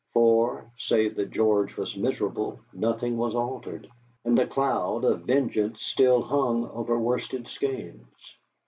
For, save that George was miserable, nothing was altered, and the cloud of vengeance still hung over Worsted Skeynes.